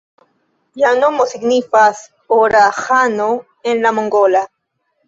Lia nomo signifas "Ora ĥano" en la mongola.